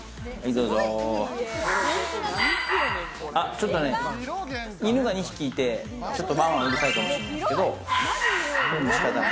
ちょっと犬が２匹いて、ワンワンうるさいかもしれないですけど。